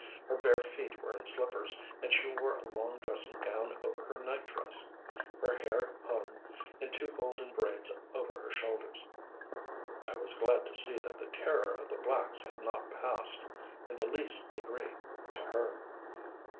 Her bare feet were in slippers, and she wore a long dressing gown over her night dress. Her hair hung in two golden braids over her shoulders. I was glad to see that the terror of the blacks had not passed, in the least degree, to her.